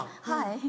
はい。